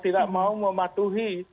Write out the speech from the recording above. tidak mau mematuhi